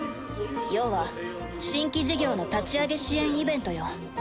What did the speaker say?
要は新規事業の立ち上げ支援イベントよ。